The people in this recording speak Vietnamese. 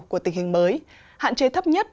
của tình hình mới hạn chế thấp nhất